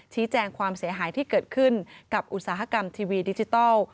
ชี้แจงความเสียหายที่เกิดขึ้นกับอุตสาหกรรมทีวีดิจิทัล